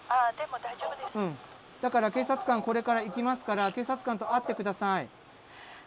うんだから警察官これから行きますから警察官と会って下さい。